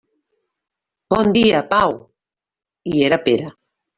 Bon dia, Pau. I era Pere.